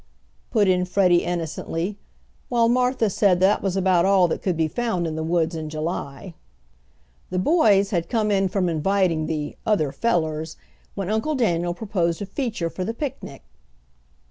put in Freddie innocently, while Martha said that was about all that could be found in the woods in July. The boys had come in from inviting the "other fellers," when Uncle Daniel proposed a feature for the picnic.